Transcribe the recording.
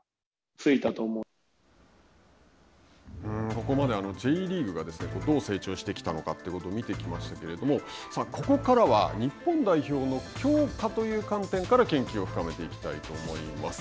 ここまでＪリーグがどう成長してきたのかということを見てきましたけどもここからは、日本代表の強化という観点から研究を深めていきたいと思います。